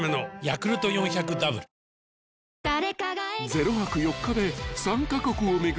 ［０泊４日で３カ国を巡る